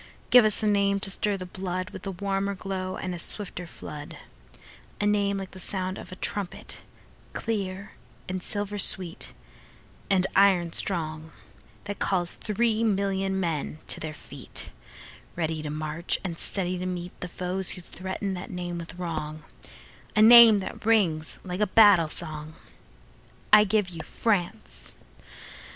Give us a name to stir the bloodWith a warmer glow and a swifter flood,—A name like the sound of a trumpet, clear, And silver sweet, and iron strong, That calls three million men to their feet, Ready to march, and steady to meetThe foes who threaten that name with wrong,—A name that rings like a battle song.I give you France!